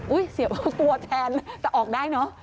เสียว่ากลัวแทนนะแต่ออกได้เนอะ